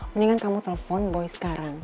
mendingan kamu telpon boy sekarang